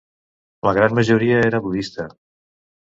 La gran majoria era budista.